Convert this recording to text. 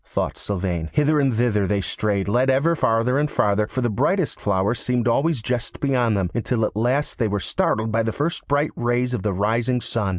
thought Sylvain. Hither and thither they strayed, led ever farther and farther, for the brightest flowers seemed always just beyond them, until at last they were startled by the first bright rays of the rising sun.